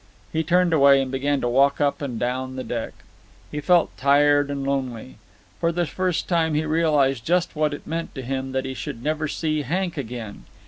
He turned away and began to walk up and down the deck. He felt tired and lonely. For the first time he realized just what it meant to him that he should never see Hank again.